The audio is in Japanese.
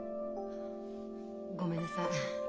ごめんなさい。